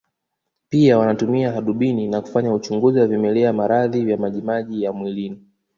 Pia wanatumia hadubini na kufanya uchunguzi wa vimelea maradhi vya majimaji ya mwilini